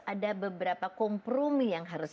ada beberapa kompromi yang harus